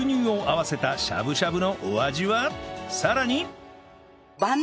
さらに